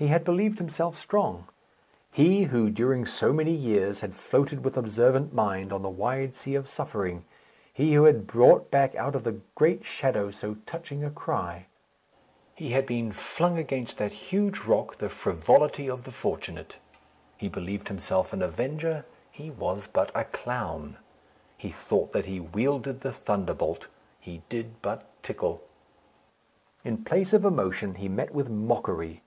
He had believed himself strong he who, during so many years, had floated with observant mind on the wide sea of suffering; he who had brought back out of the great shadow so touching a cry. He had been flung against that huge rock the frivolity of the fortunate. He believed himself an avenger; he was but a clown. He thought that he wielded the thunderbolt; he did but tickle. In place of emotion, he met with mockery.